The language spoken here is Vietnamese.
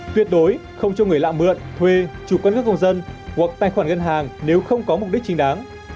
tuyệt đối không cho người lạ mượn thuê chụp căn cước công dân hoặc tài khoản ngân hàng nếu không có mục đích chính đáng